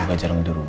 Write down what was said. aku juga jarang juru